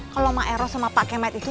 kalo maeros sama pak kemat itu